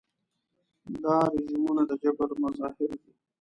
دا رژیمونه د جبر مظاهر دي.